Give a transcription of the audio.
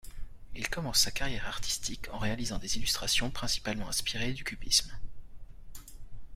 Il commence sa carrière artistique en réalisant des illustrations principalement inspirées du cubisme.